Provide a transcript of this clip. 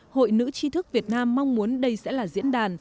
hội nữ tri thức việt nam mong muốn đây sẽ là diễn đàn